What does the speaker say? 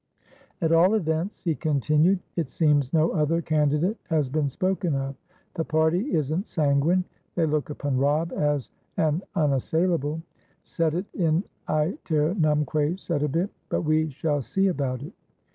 "At all events," he continued, "it seems no other candidate has been spoken of. The party isn't sanguine; they look upon Robb as an unassailable; sedet in aeternumque sedebit. But we shall see about it.